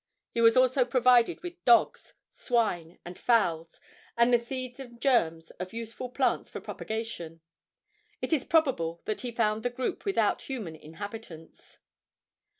He was also provided with dogs, swine and fowls, and the seeds and germs of useful plants for propagation. It is probable that he found the group without human inhabitants.